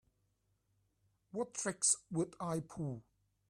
What tricks would I pull?